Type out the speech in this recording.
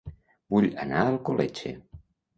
Vull anar a Alcoletge